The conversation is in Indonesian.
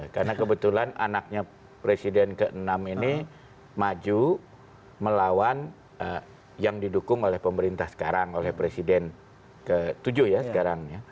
karena kebetulan anaknya presiden ke enam ini maju melawan yang didukung oleh pemerintah sekarang oleh presiden ke tujuh ya sekarang